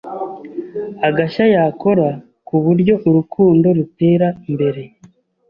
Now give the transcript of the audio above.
agashya yakora ku buryo urukundo rutera mbere